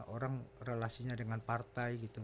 orang relasinya dengan partai gitu